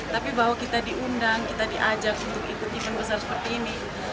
tapi bahwa kita diundang kita diajak untuk ikut event besar seperti ini